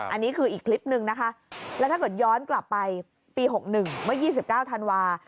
อันนี้คืออีกคลิปหนึ่งนะคะแล้วถ้าเกิดย้อนกลับไปปี๖๑เมื่อ๒๙ธันวา